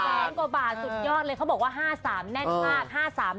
แสนกว่าบาทสุดยอดเลยเขาบอกว่า๕๓แน่นมาก